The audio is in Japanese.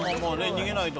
逃げないと。